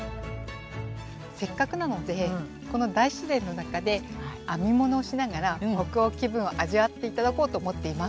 せっかくなのでこの大自然の中で編み物をしながら北欧気分を味わっていただこうと思っています。